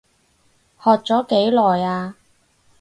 學咗幾耐啊？